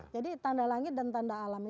jadi tanda langit dan tanda alam ini